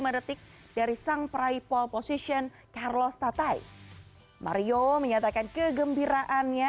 detik dari sang prai pole position carlos tatai mario menyatakan kegembiraannya